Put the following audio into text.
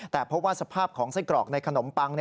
แต่พบว่าสภาพของไส้กรอกในขนมปัง